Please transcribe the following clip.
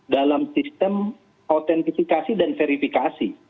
dalam sistem autentifikasi dan verifikasi